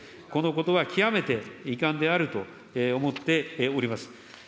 このことは極めて遺憾であると思っております。